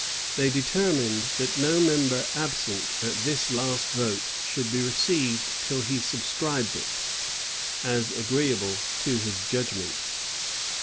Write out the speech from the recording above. They determined that no member absent at this last vote should be received till he subscribed it, as agree able to his judgment.